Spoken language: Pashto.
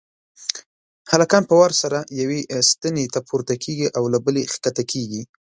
هلکان په وار سره یوې ستنې ته پورته کېږي او له بلې کښته کېږي.